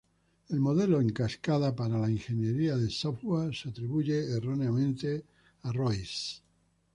El modelo en cascada para la ingeniería de software se atribuyó erróneamente a Royce.